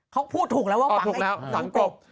เขาพูดถูกแล้วว่าฝังแล้วฝังกบ